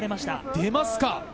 出ますか。